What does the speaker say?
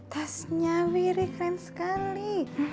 tasnya wirih keren sekali